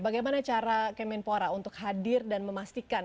bagaimana cara kemenpora untuk hadir dan memastikan